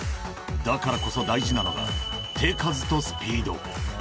だからこそ大事なのが、手数とスピード。